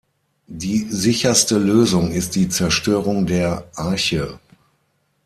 Die sicherste Lösung ist die Zerstörung der "Arche".